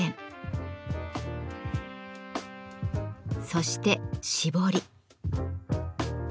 そして絞り。